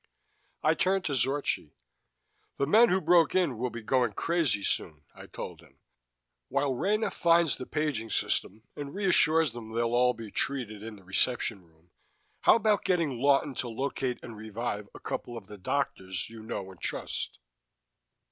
I turned to Zorchi. "The men who broke in will be going crazy soon," I told him. "While Rena finds the paging system and reassures them they'll all be treated in the reception room, how about getting Lawton to locate and revive a couple of the doctors you know and trust?"